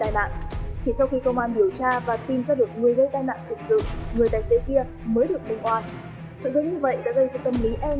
tai nạn chỉ sau khi công an điều tra và tìm ra được người gây tai nạn thực sự người tài xế kia